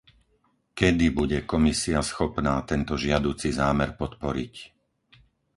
Kedy bude Komisia schopná tento žiaduci zámer podporiť?